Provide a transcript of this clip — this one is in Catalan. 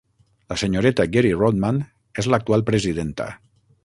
La senyoreta Geri Rodman és l'actual presidenta.